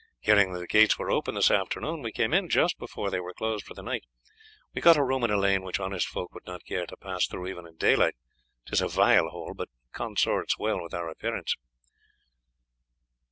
Hearing that the gates were open this afternoon, we came in just before they were closed for the night. We have got a room in a lane which honest folk would not care to pass through even in daylight; 'tis a vile hole, but consorts well with our appearance."